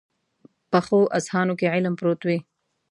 پخو اذهانو کې علم پروت وي